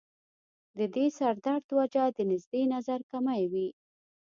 د دې سر درد وجه د نزدې نظر کمی وي